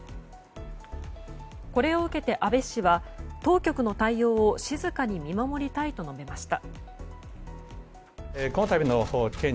これを受けて安倍氏は当局の対応を静かに見守りたいと述べました。